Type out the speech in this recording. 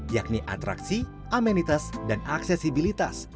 yakni atraksi amenitas dan aksesibilitas